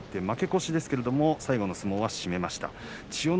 負け越しですが最後の相撲は攻めました。